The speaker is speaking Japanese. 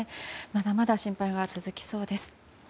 まだまだ心配は続きそうです。